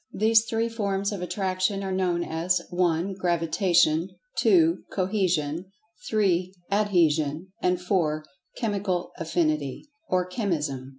These three forms of Attraction are known as (1) Gravitation; (2) Cohesion; (3) Adhesion; and (4) Chemical Affinity, or Chemism.